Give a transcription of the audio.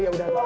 ya udah pak